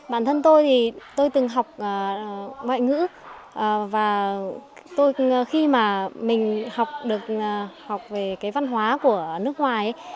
bản thân tôi thì tôi từng học ngoại ngữ và tôi khi mà mình học được học về cái văn hóa của nước ngoài